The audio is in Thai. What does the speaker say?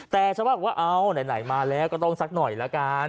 แต่ชาวบ้านบอกว่าเอาไหนมาแล้วก็ต้องสักหน่อยละกัน